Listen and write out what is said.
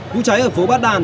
vụ cháy ở phố bát đàn